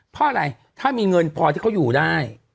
เพราะอะไรถ้ามีเงินพอที่เขาอยู่ได้